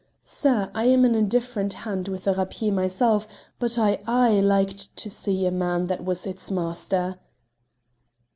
Sir, I am an indifferent hand with the rapier myself, but I aye liked to see a man that was its master."